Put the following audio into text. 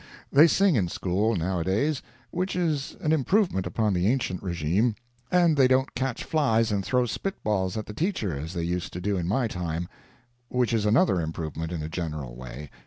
They sing in school, now a days, which is an improvement upon the ancient regime; and they don't catch flies and throw spit balls at the teacher, as they used to do in my time—which is another improvement, in a general way.